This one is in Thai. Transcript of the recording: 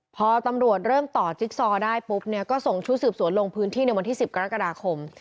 พอตำรวจเริ่มต่อจิ๊กซอได้ปุ๊บเนี่ยก็ส่งชุดสืบสวนลงพื้นที่ในวันที่๑๐กรกฎาคม